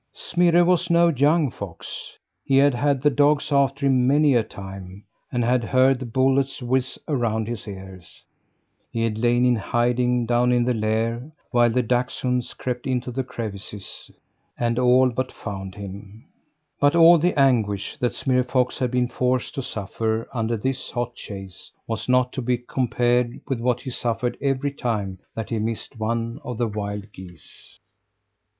Smirre was no young fox. He had had the dogs after him many a time, and had heard the bullets whizz around his ears. He had lain in hiding, down in the lair, while the dachshunds crept into the crevices and all but found him. But all the anguish that Smirre Fox had been forced to suffer under this hot chase, was not to be compared with what he suffered every time that he missed one of the wild geese.